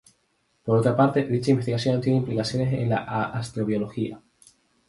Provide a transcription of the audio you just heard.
Por otra parte, dicha investigación tiene implicaciones en la astrobiología.